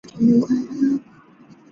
作品多由建阳余氏书坊承印。